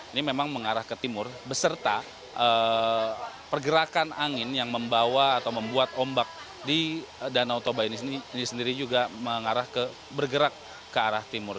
ini memang mengarah ke timur beserta pergerakan angin yang membawa atau membuat ombak di danau toba ini sendiri juga bergerak ke arah timur